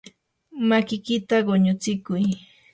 makiykita quñutsikuy.